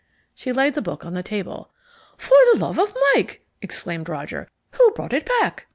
She laid the book on the table. "For the love of Mike!" exclaimed Roger. "Who brought it back?"